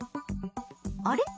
あれ？